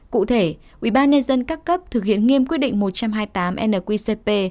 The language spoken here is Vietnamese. cụ thể ubnd các cấp thực hiện nghiêm quyết định một trăm hai mươi tám nqcp